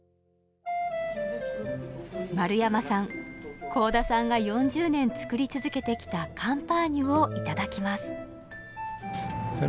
丸山さん甲田さんが４０年作り続けてきたカンパーニュを頂きます。